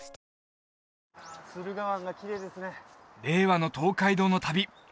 令和の東海道の旅